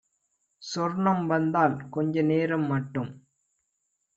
சொர்ணம் வந்தால் கொஞ்ச நேரம்மட்டும்